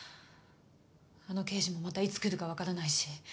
あの刑事もまたいつ来るかわからないし。